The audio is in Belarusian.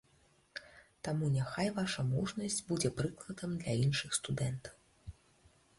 Таму няхай ваша мужнасць будзе прыкладам для іншых студэнтаў.